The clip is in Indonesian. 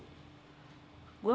hmm gue tahu